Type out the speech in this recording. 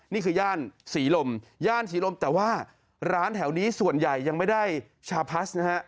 นี่คือย่านศรีลมย่านศรีลมแต่ว่าร้านแถวนี้ส่วนใหญ่ยังไม่ได้ชาพลัสนะฮะ